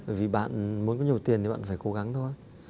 bởi vì bạn muốn có nhiều tiền thì bạn phải cố gắng thôi